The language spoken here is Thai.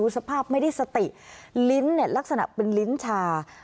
สภาพไม่ได้สติลิ้นลักษณะเป็นลิ้นชา